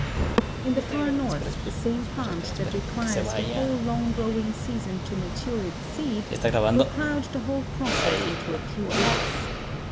In the far north the same plant that requires the whole long growing season to mature its seed, will crowd the whole process into a few weeks.